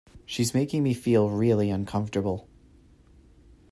She’s making me feel really uncomfortable.